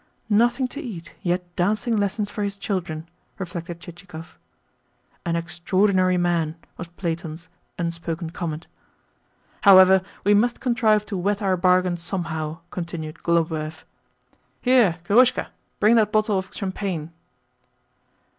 "Nothing to eat, yet dancing lessons for his children!" reflected Chichikov. "An extraordinary man!" was Platon's unspoken comment. "However, we must contrive to wet our bargain somehow," continued Khlobuev. "Hi, Kirushka! Bring that bottle of champagne."